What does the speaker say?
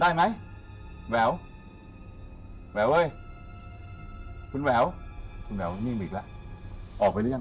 ได้ไหมแหววแหววเว้ยคุณแหววคุณแหววนิ่มอีกแล้วออกไปหรือยัง